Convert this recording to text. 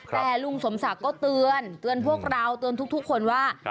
แต่ลุงสมศักดิ์ก็เตือนทุกคนว่า